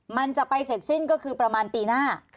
มันจะไปเสร็จสิ้นก็คือประมาณปีหน้า